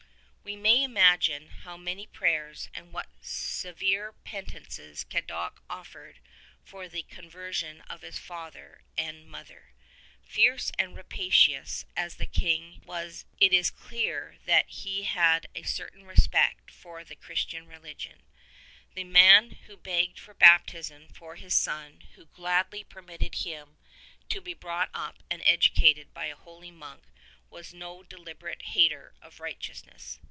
We may imagine how many prayers and what severe pen ances Cadoc offered for the conversion of his father and mother. Fierce and rapacious as the King was it is clear that he had a certain respect for the Christian religion. The man who begged for baptism for his son and who gladly permitted him to be brought up and educated by a holy monk was no deliberate hater of righteousness.